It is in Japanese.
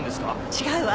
違うわ。